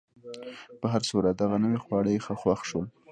په هر صورت، دغه نوي خواړه یې ښه خوښ شول.